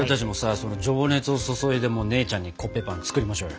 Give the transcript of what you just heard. その情熱を注いで姉ちゃんにコッペパン作りましょうよ。